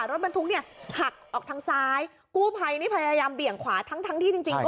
รถบรรทุกเนี่ยหักออกทางซ้ายกู้ภัยนี่พยายามเบี่ยงขวาทั้งทั้งที่จริงจริงก็